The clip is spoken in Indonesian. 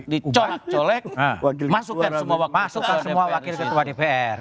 dicolek colek masukkan semua wakil ketua dpr